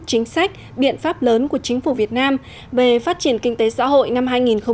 chính sách biện pháp lớn của chính phủ việt nam về phát triển kinh tế xã hội năm hai nghìn hai mươi